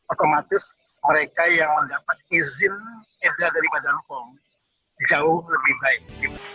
otomatis mereka yang mendapat izin eda dari badan pom jauh lebih baik